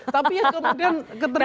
tapi kemudian keterima